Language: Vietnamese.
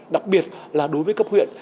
đặc biệt là đối với các huyện